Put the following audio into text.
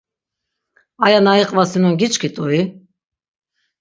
Aya na iqvasinon giçkit̆ui?